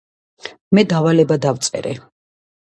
მე დავალება დავწერე